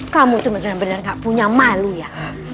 kamu tuh beneran beneran gak punya malu ya